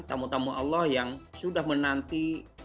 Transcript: tamu tamu allah yang sudah menanti